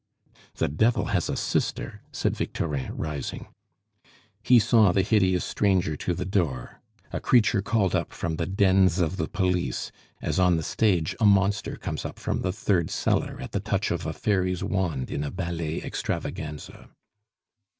"The Devil has a sister," said Victorin, rising. He saw the hideous stranger to the door, a creature called up from the dens of the police, as on the stage a monster comes up from the third cellar at the touch of a fairy's wand in a ballet extravaganza.